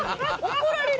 怒られる。